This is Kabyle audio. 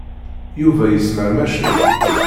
Yuba yesmeṛmec-d.